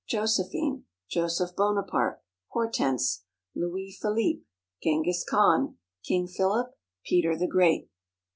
Josephine. Joseph Bonaparte. Hortense. Louis Philippe. Genghis Khan. King Philip. Peter the Great.